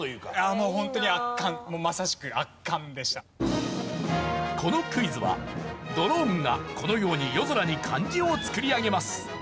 もうホントにこのクイズはドローンがこのように夜空に漢字を作り上げます。